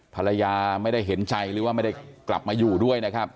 ภรรยาไม่ได้เห็นใจหรือว่าไม่ได้กลับมาอยู่ด้วยนะครับ